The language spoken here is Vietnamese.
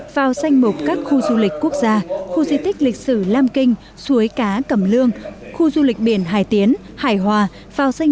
phao danh mục các khu du lịch quốc gia khu di tích lịch sử lam kinh suối cá cầm lương khu du lịch biển hải tiến hải hòa